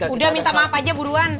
udah minta maaf aja buruan